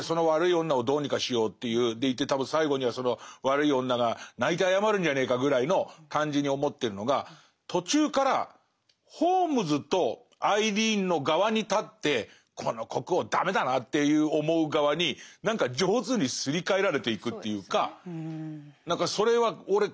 でいて多分最後にはその悪い女が泣いて謝るんじゃねえかぐらいの感じに思ってるのが途中からホームズとアイリーンの側に立ってこの国王駄目だなって思う側に何か上手にすり替えられていくというか何かそれは俺快感だと思うんですよ。